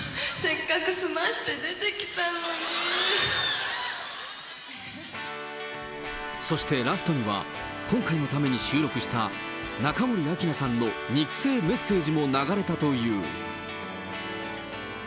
えーっと、そしてラストには、今回のために収録した中森明菜さんの肉声メッセージも流れたという。